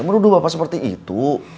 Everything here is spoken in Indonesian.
meruduh bapak seperti itu